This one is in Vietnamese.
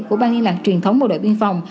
của ban liên lạc truyền thống bộ đội biên phòng